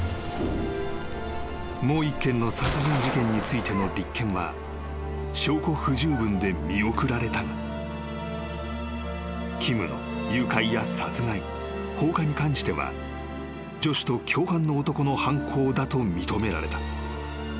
［もう１件の殺人事件についての立件は証拠不十分で見送られたがキムの誘拐や殺害放火に関してはジョシュと共犯の男の犯行だと認められた］